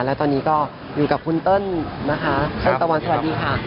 และตอนนี้ก็อยู่กับคุณเติ้ลนะคะเติ้ลตะวันสวัสดีค่ะ